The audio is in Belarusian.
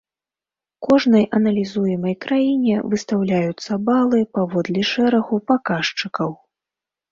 Кожнай аналізуемай краіне выстаўляюцца балы паводле шэрагу паказчыкаў.